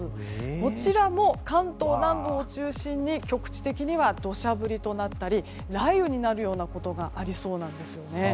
こちらも関東南部を中心に局地的には土砂降りとなったり雷雨になったりすることがありそうなんですよね。